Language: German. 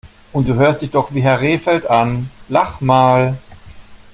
Und du hörst dich doch wie Herr Rehfeld an! Lach mal!